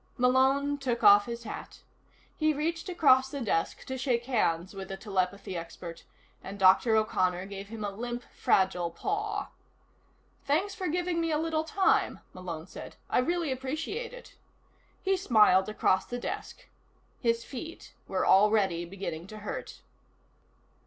Malone took off his hat. He reached across the desk to shake hands with the telepathy expert, and Dr. O'Connor gave him a limp fragile paw. "Thanks for giving me a little time," Malone said. "I really appreciate it." He smiled across the desk. His feet were already beginning to hurt.